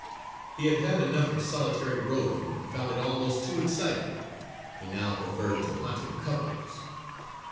He had had enough of solitary roving, and found it almost too exciting: he now preferred to hunt in couples.